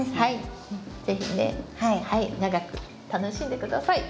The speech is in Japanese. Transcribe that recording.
是非ね長く楽しんで下さい。